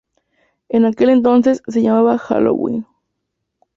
En aquel entonces, se llamaba Hallowell.